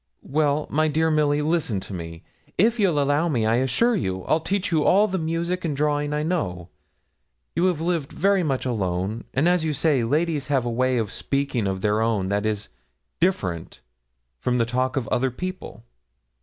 'Well, my dear Milly, listen to me: if you allow me, I assure you, I'll teach you all the music and drawing I know. You have lived very much alone; and, as you say, ladies have a way of speaking of their own that is different from the talk of other people.'